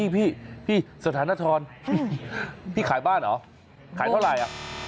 พี่สถานทรพี่ขายบ้านเหรอขายเท่าไหร่